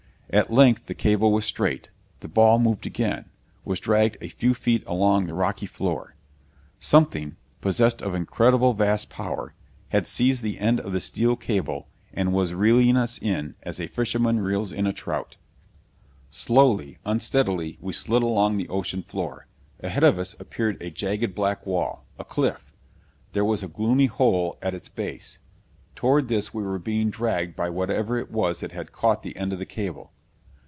At length the cable was straight. The ball moved again was dragged a few feet along the rocky floor. Something possessed of incredibly vast power had seized the end of the steel cable and was reeling us in as a fisherman reels in a trout! Slowly, unsteadily, we slid along the ocean floor. Ahead of us appeared a jagged black wall a cliff. There was a gloomy hole at its base. Toward this we were being dragged by whatever it was that had caught the end of the cable.